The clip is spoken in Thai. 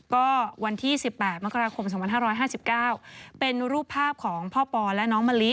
ก็วันที่๑๘มกราคม๒๕๕๙เป็นรูปภาพของพ่อปอและน้องมะลิ